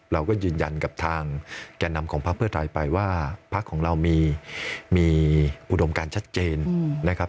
เราก็ยืนยันกับทางแก่นำของพักเพื่อไทยไปว่าพักของเรามีอุดมการชัดเจนนะครับ